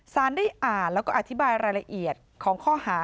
สารได้อ่านแล้วก็อธิบายรายละเอียดของข้อหา